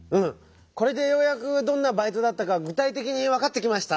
これでようやくどんなバイトだったかぐたいてきにわかってきました。